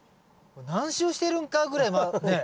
何周してるんかぐらいねっ。